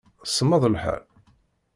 Semmeḍ lḥal.